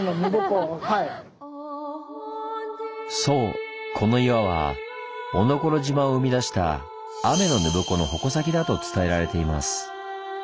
そうこの岩は「おのころ島」を生み出した天の沼矛の矛先だと伝えられています。